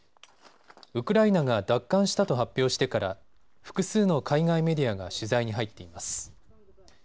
ウクライナが奪還したと発表してから複数の海外メディアが取材に入っています。